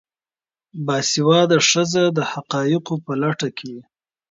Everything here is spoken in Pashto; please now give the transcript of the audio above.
باسواده ښځې د حقایقو په لټه کې وي.